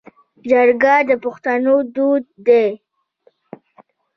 جرګه د پښتنو دود دی